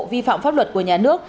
vi phạm pháp luật của nhà nước